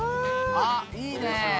あっいいね。